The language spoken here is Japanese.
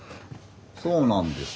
そうなんですか？